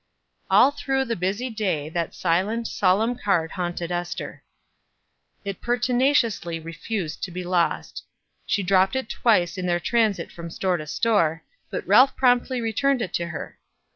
All through the busy day that silent, solemn card haunted Ester. It pertinaciously refused to be lost. She dropped it twice in their transit from store to store, but Ralph promptly returned it to her.